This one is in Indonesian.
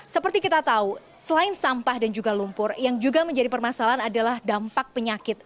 seperti kita tahu selain sampah dan juga lumpur yang juga menjadi permasalahan adalah dampak penyakit